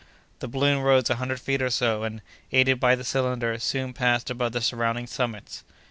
The balloon rose a hundred feet or so, and, aided by the cylinder, soon passed above the surrounding summits.